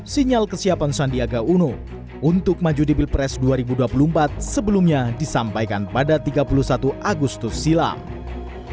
sinyal kesiapan sandiaga uno untuk maju di pilpres dua ribu dua puluh empat sebelumnya disampaikan pada tiga puluh satu agustus silam